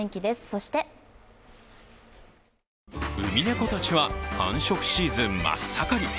そしてウミネコたちは繁殖シーズン真っ盛り。